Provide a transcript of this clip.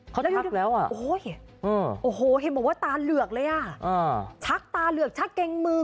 เขาจะชักแล้วอ่ะโอ้โหเห็นบอกว่าตาเหลือกเลยอ่ะชักตาเหลือกชักเกงมือ